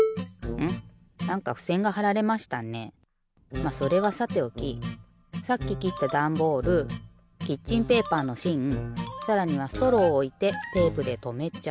まっそれはさておきさっききったダンボールキッチンペーパーのしんさらにはストローをおいてテープでとめちゃう。